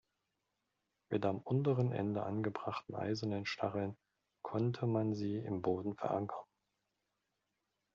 Mit am unteren Ende angebrachten eisernen Stacheln konnte man sie im Boden verankern.